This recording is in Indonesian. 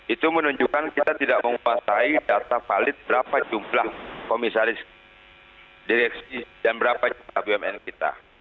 itu menunjukkan kita tidak menguasai data valid berapa jumlah komisaris direksi dan berapa jumlah bumn kita